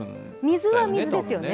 水は水ですよね。